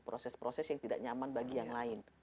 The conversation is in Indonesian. proses proses yang tidak nyaman bagi yang lain